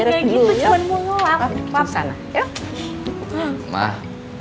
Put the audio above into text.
masih ada yang kotor gak